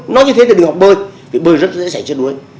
nói như thế thì đừng học bơi vì bơi rất dễ sẽ chết đuối